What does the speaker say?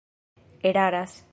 eraras